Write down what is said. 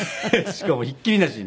しかもひっきりなしにね。